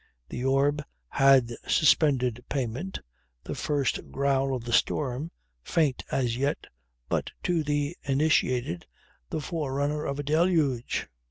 The Orb had suspended payment the first growl of the storm faint as yet, but to the initiated the forerunner of a deluge.